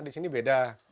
di sini beda